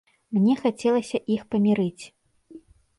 Мне хацелася іх памірыць.